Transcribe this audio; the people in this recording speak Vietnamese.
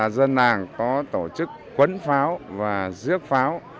dân lảng có tổ chức quấn pháo và dước pháo